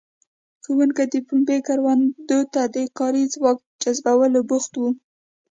ښوونکي د پنبې کروندو ته د کاري ځواک جذبولو بوخت وو.